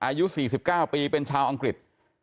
อายุ๔๙ปีเป็นชาวอังกฤษ